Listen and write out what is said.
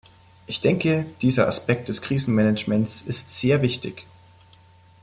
Ich denke, dieser Aspekt des Krisenmanagements ist sehr wichtig.